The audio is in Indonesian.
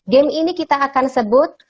game ini kita akan sebut